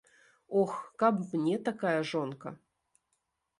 Ох, каб мне такая жонка!